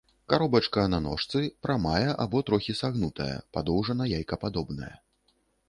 Каробачка на ножцы, прамая або трохі сагнутая, падоўжана-яйкападобная.